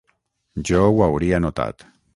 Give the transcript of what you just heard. Jo ho hauria notat.